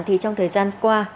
thì trong thời gian qua